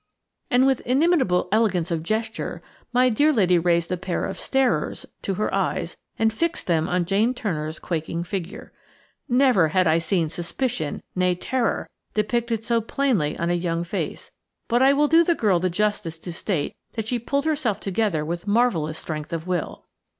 And, with inimitable elegance of gesture, my dear lady raised a pair of "starers" to her eyes and fixed them on Jane Turner's quaking figure. Never had I seen suspicion, nay terror, depicted so plainly on a young face, but I will do the girl the justice to state that she pulled herself together with marvellous strength of will.